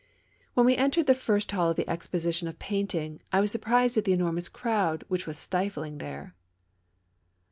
When we entered the first hall of the Exposition of Painting, I was surprised at the enormous crowd which was stifling there.